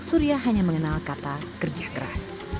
surya hanya mengenal kata kerja keras